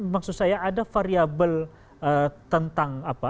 maksud saya ada variable tentang apa